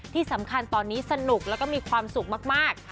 ที่สำคัญตอนนี้สนุกแล้วก็มีความสุขมาก